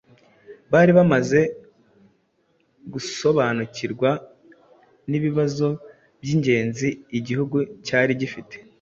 bari bamaze gusobanukirwa n'ibibazo by'ingenzi igihugu cyari gifite